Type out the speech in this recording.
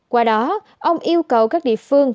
qua đó ông yêu cầu các địa phương